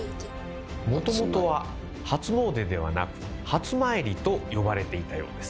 もともとは「はつもうで」ではなく「はつまいり」と呼ばれていたようです。